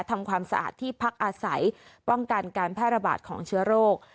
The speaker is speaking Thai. ทำความสะอาดที่พักอาศัยป้องกันการแพร่ระบาดของเชื้อโรค